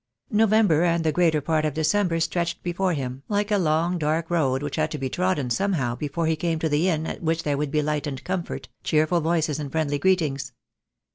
November and the greater part of December stretched before him, like a long dark road which had to be trodden somehow before he came to the inn at which there would be light and comfort, cheerful voices, and friendly greet ings.